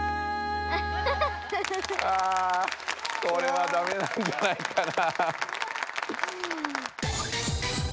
あこれはダメなんじゃないかな。